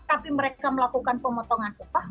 tapi mereka melakukan pemotongan upah